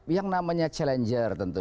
yang namanya challenger tentu